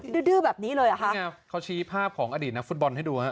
ดื้อดื้อแบบนี้เลยเหรอคะนี่ไงเขาชี้ภาพของอดีตนักฟุตบอลให้ดูฮะ